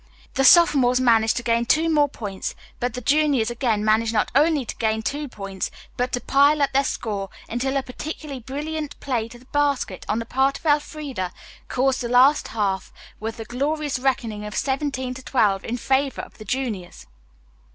The sophomores managed to gain two more points, but the juniors again managed not only to gain two points, but to pile up their score until a particularly brilliant play to basket on the part of Elfreda closed the last half with the glorious reckoning of seventeen to twelve in favor of the juniors.